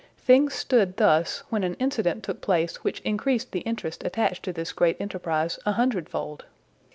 Things stood thus, when an incident took place which increased the interest attached to this great enterprise a hundredfold.